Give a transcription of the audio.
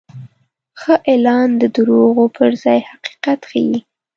ښه اعلان د دروغو پر ځای حقیقت ښيي.